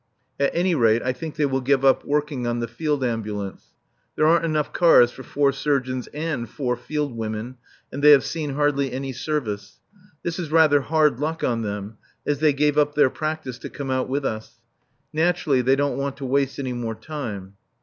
At any rate, I think they will give up working on the Field Ambulance. There aren't enough cars for four surgeons and four field women, and they have seen hardly any service. This is rather hard luck on them, as they gave up their practice to come out with us. Naturally, they don't want to waste any more time.